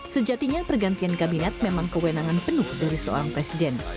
sejatinya pergantian kabinet memang kewenangan penuh dari seorang presiden